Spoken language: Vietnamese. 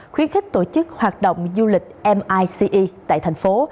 khuyến khích tổ chức hoạt động du lịch mice tại thành phố